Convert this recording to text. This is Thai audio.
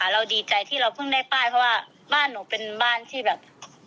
เราดีใจที่เราเพิ่งได้ป้ายเพราะว่าบ้านหนูเป็นบ้านที่แบบ